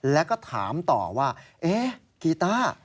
แล้วก็ถามต่อว่าเอ๊ะกีต้า